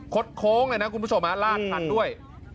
โค้งเลยนะคุณผู้ชมลาดทันด้วย